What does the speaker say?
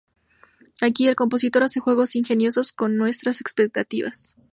Aquí, el compositor hace juegos ingeniosos con nuestras expectativas.